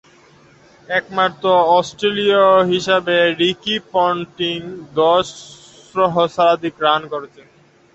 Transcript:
একমাত্র অস্ট্রেলীয় হিসেবে রিকি পন্টিং দশ সহস্রাধিক রান করেছেন।